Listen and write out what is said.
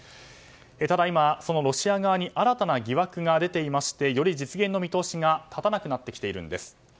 ただ、今、ロシア側に新たな疑惑が出ておりましてより実現の見通しが立たなくなってきているんです。